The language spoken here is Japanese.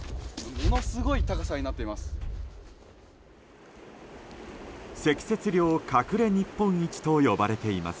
ものすごい高さになっています。